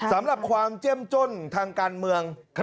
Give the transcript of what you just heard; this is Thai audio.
สำหรับความเจ้มจ้นทางการเมือง